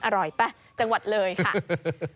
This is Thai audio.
อร่อยป่ะจังหวัดเลยค่ะ